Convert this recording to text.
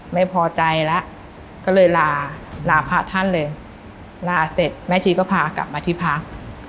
ไม่พอใจแล้วก็เลยลาลาพระท่านเลยลาเสร็จแม่ชีก็พากลับมาที่พัก